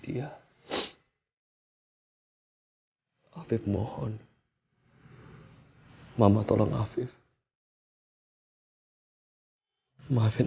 dia harusnya tidak meniente